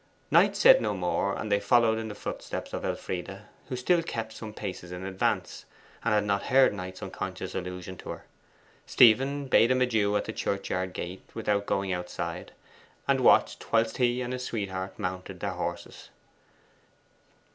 Knight said no more, and they followed in the footsteps of Elfride, who still kept some paces in advance, and had not heard Knight's unconscious allusion to her. Stephen bade him adieu at the churchyard gate without going outside, and watched whilst he and his sweetheart mounted their horses.